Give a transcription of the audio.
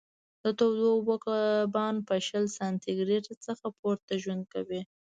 د تودو اوبو کبان په شل سانتي ګرېد څخه پورته ژوند کوي.